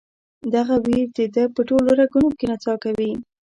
دغه ویر د ده په ټولو رګونو کې نڅا کوي.